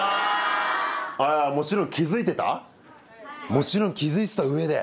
もちろん気づいてた上で？